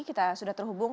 kita sudah terhubung